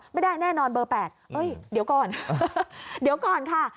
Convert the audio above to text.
ไม่ได้แน่นอนเบอร์๘เดี๋ยวก่อนเดี๋ยวก่อนค่ะ